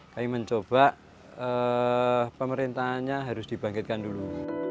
kami mencoba pemerintahnya harus dibangkitkan dulu